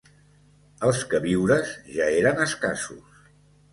Els queviures ja eren escassos.